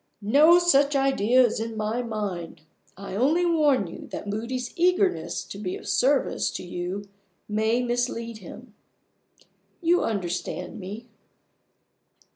"No such idea is in my mind. I only warn you that Moody's eagerness to be of service to you may mislead him. You understand me."